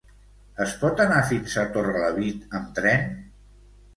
Es pot anar fins a Torrelavit amb tren?